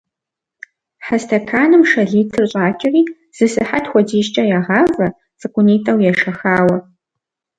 Хьэ стэканым шэ литр щӏакӏэри, зы сыхьэт хуэдизкӏэ ягъавэ, цӏыкӏунитӏэу ешэхауэ.